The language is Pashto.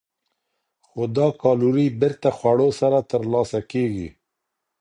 خو دا کالوري بېرته خوړو سره ترلاسه کېږي.